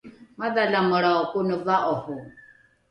madhalamelrao kone va’oro